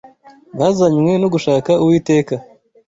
bazanywe no gushaka Uwiteka